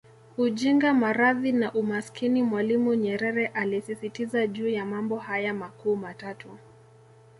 Ujinga maradhi na Umaskini Mwalimu Nyerere alisisitiza juu ya mambo haya makuu matatu